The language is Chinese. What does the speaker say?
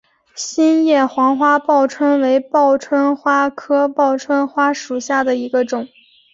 心叶黄花报春为报春花科报春花属下的一个种。